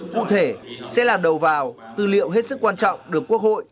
cụ thể sẽ là đầu vào tư liệu hết sức quan trọng được quốc hội